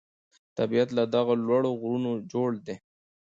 طبیعت له دغو لوړو غرونو جوړ دی.